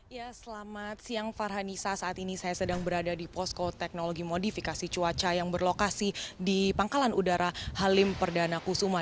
ya selamat siang farhanisa saat ini saya sedang berada di posko teknologi modifikasi cuaca yang berlokasi di pangkalan udara halim perdana kusuma